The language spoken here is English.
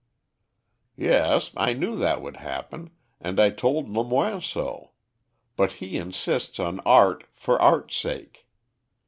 "Yes, I knew that would happen, and I told Lemoine so; but he insists on art for art's sake.